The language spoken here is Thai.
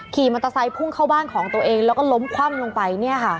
ขี่มอเตอร์ไซค์พุ่งเข้าบ้านของตัวเองแล้วก็ล้มคว่ำลงไป